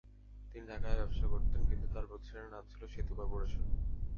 তিনি ঢাকায় ব্যবসা করতেন এবং তাঁর প্রতিষ্ঠানের নাম ছিল সেতু করপোরেশন।